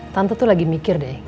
tante tuh lagi mikir deh